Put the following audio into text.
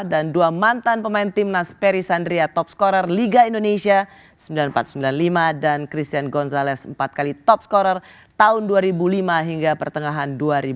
dan dua mantan pemain timnas perry sandria top scorer liga indonesia sembilan ribu empat ratus sembilan puluh lima dan christian gonzalez empat kali top scorer tahun dua ribu lima hingga pertengahan dua ribu sembilan